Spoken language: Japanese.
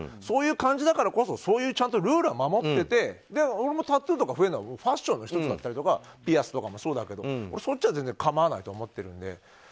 そういう感じだからこそちゃんとルールは守ってて俺もタトゥーが増えるのはファッションの１つだったりとかピアスとかもそうだけどそっちは全然構わないと思ってるので。